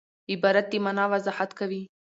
عبارت د مانا وضاحت کوي.